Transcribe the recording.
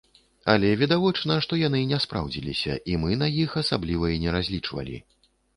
Але відавочна, што яны не спраўдзіліся і мы на іх асабліва і не разлічвалі.